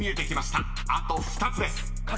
［あと２つです］